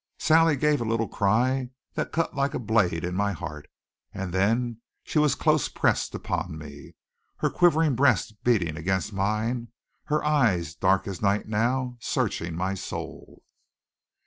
Sally gave a little cry that cut like a blade in my heart, and then she was close pressed upon me, her quivering breast beating against mine, her eyes, dark as night now, searching my soul.